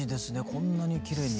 こんなにきれいに。